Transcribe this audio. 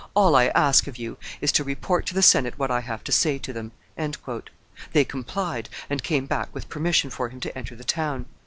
"All I ask of you is, to report to the senate what I have to say to them." They complied, and came back with permission for him to enter the town.